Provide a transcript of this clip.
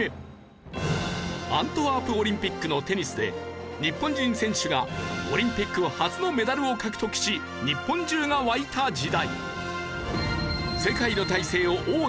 アントワープオリンピックのテニスで日本人選手がオリンピック初のメダルを獲得し日本中が沸いた時代。